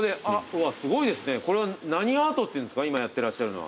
これは何アートっていうんですか今やってらっしゃるのは。